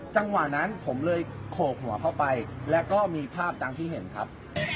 จังหวะนั้นผมเลยโขกหัวเข้าไปแล้วก็มีภาพตามที่เห็นครับ